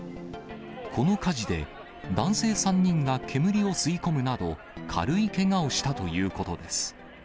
この火事で、男性３人が煙を吸い込むなど、軽いけがをしたということです。